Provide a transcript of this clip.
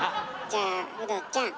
じゃあウドちゃん。